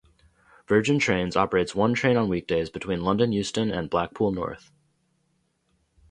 Virgin Trains operates one train on weekdays between London Euston and Blackpool North.